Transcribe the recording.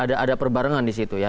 ada perbarengan di situ ya